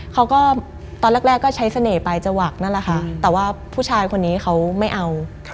เขาก็ตอนแรกก็ใช้เสน่ห์ไปจะหวักนั่นแหละค่ะแต่ว่าผู้ชายคนนี้เขาไม่เอา